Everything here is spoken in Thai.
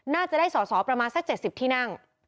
น่าจะได้สอสอประมาณสัก๗๐ที่นั่ง